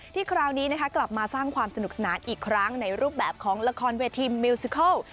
คราวนี้กลับมาสร้างความสนุกสนานอีกครั้งในรูปแบบของละครเวทีมิวซิเคิล